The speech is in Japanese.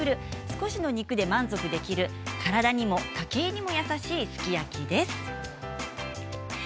少しの肉で満足できる体にも家計にも優しいすき焼きです。